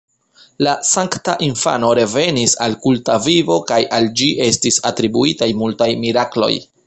La Sankta Infano revenis al kulta vivo kaj al ĝi estis atribuitaj multaj mirakloj.